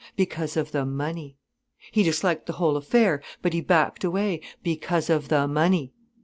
Because of the money. He disliked the whole affair, but he backed away, because of the money.